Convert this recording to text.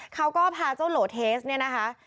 เขาก็พาเจ้าโหลเทสเนี่ยนะคะ